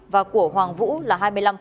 và của hoàng vũ là hai mươi năm